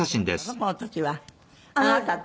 この時は。あなたと。